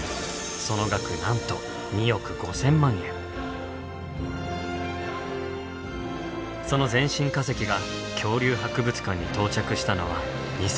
その額なんとその全身化石が恐竜博物館に到着したのは２００９年。